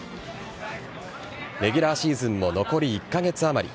レギュラーシーズンも残り１カ月あまり。